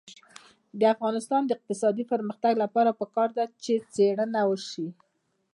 د افغانستان د اقتصادي پرمختګ لپاره پکار ده چې څېړنه وشي.